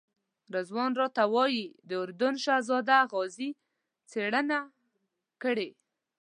رضوان راته وویل د اردن شهزاده غازي څېړنه کړې.